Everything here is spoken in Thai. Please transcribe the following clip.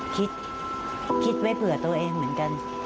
คิดคิดไว้เผื่อตัวเองเหมือนกัน